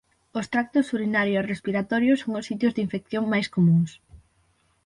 Os tractos urinario e respiratorio son os sitios de infección máis comúns.